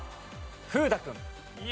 風太君。